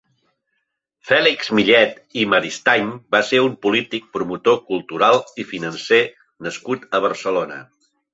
Fèlix Millet i Maristany va ser un polític, promotor cultural i financer nascut a Barcelona.